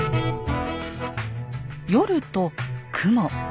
「夜」と「雲」。